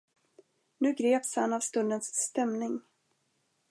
Nu greps han av stundens stämning.